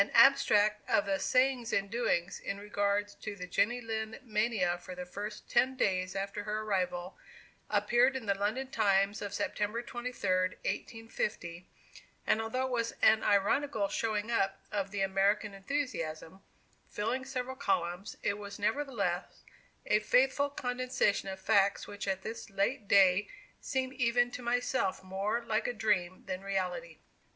An abstract of the "sayings and doings" in regard to the Jenny Lind mania for the first ten days after her arrival, appeared in the London Times of Sept. 23, 1850, and although it was an ironical "showing up" of the American enthusiasm, filling several columns, it was nevertheless a faithful condensation of facts which at this late day seem even to myself more like a dream than reality.